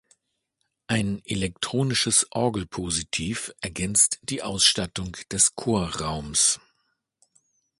Ein elektronisches Orgelpositiv ergänzt die Ausstattung des Chorraums.